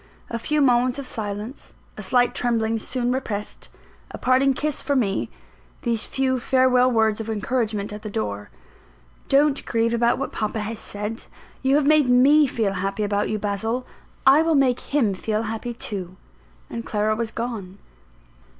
A few moments of silence; a slight trembling soon repressed; a parting kiss for me; these few farewell words of encouragement at the door; "Don't grieve about what papa has said; you have made me feel happy about you, Basil; I will make him feel happy too," and Clara was gone.